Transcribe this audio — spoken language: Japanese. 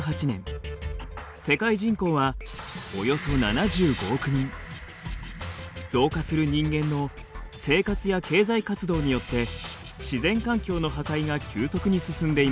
２０１８年増加する人間の生活や経済活動によって自然環境の破壊が急速に進んでいます。